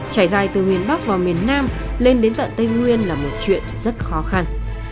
trải dài từ miền bắc vào miền nam lên đến tận tây nguyên là một chuyện rất khó khăn